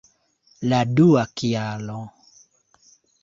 La dua kialo!